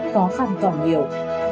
khó khăn còn nhiều